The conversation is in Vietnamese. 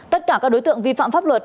tất cả các đối tượng vi phạm pháp luật